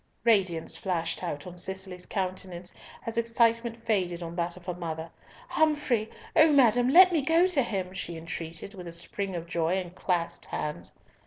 Radiance flashed out on Cicely's countenance as excitement faded on that of her mother: "Humfrey! O madam! let me go to him!" she entreated, with a spring of joy and clasped hands.